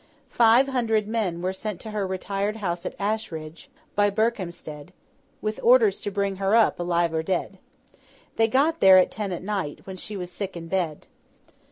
Five hundred men were sent to her retired house at Ashridge, by Berkhampstead, with orders to bring her up, alive or dead. They got there at ten at night, when she was sick in bed.